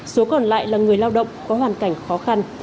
số còn lại là người lao động có hoàn cảnh khó khăn